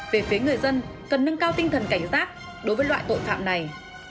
về phía người dân cần nâng cao tinh thần cảnh giác đối với loại tội phạm này